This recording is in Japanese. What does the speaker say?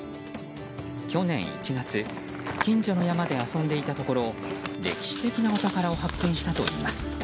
去年１月近所の山で遊んでいたところ歴史的なお宝を発見したといいます。